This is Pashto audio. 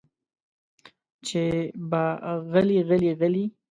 چې به غلې غلې غلې